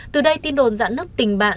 từ đây tin đồn dãn nước tình bạn